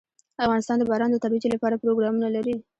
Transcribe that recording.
افغانستان د باران د ترویج لپاره پروګرامونه لري.